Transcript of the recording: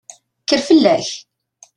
Kker fell-ak!